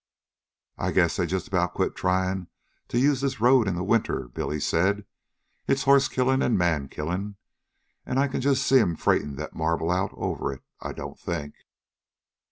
"I guess they just about quit tryin' to use this road in the winter," Billy said. "It's horse killin' an' man killin', an' I can just see 'm freightin' that marble out over it I don't think."